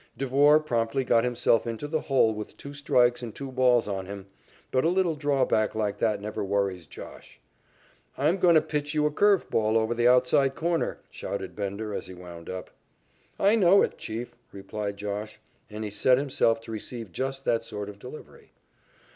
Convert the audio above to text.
Devore promptly got himself into the hole with two strikes and two balls on him, but a little drawback like that never worries "Josh." "I'm going to pitch you a curved ball over the outside corner," shouted Bender as he wound up. "I know it, Chief," replied "Josh," and he set himself to receive just that sort of delivery.